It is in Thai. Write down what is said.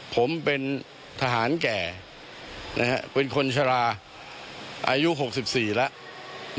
ผมเป็นทหารแก่เป็นคนชะลาอายุ๖๔แล้ว